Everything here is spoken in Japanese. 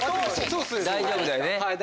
大丈夫だよね？